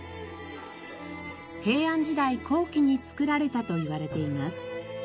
平安時代後期に造られたといわれています。